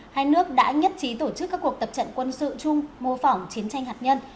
hai nước đã nhất trí tổ chức các cuộc tập trận quân sự chung mô phỏng chiến tranh hạt nhân